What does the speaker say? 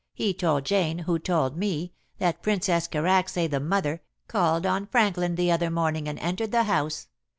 He told Jane, who told me, that Princess Karacsay, the mother, called on Franklin the other morning and entered the house.